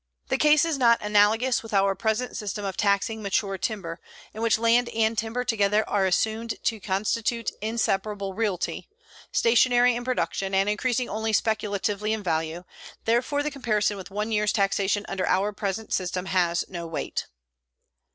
The case is not analogous with our present system of taxing mature timber, in which land and timber together are assumed to constitute inseparable realty, stationary in production and increasing only speculatively in value, therefore the comparison with one year's taxation under our present system has no weight.